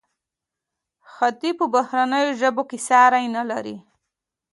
حتی په بهرنیو ژبو کې ساری نلري.